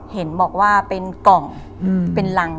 เห็นบอกว่าเป็นกล่องเป็นรัง